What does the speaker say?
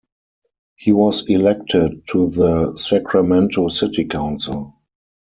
He was elected to the Sacramento city council.